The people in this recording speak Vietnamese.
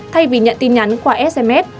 thay vì nhận tin nhắn qua sms